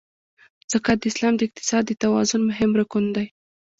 زکات د اسلام د اقتصاد د توازن مهم رکن دی.